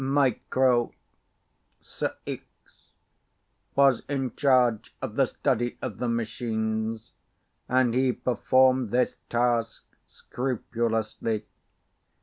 MIRO CIX was in charge of the study of the Machines and he performed this task scrupulously.